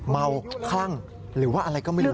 คลั่งหรือว่าอะไรก็ไม่รู้